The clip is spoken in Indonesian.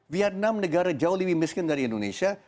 vietnam negara jauh lebih miskin dari indonesia